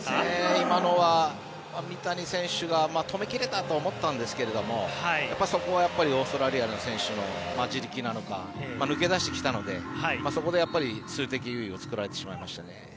今のは三谷選手が止め切れたと思ったんですけどもそこはオーストラリアの選手の自力なのか抜け出してきたのでそこでやっぱり、数的優位を作られてしまいましたね。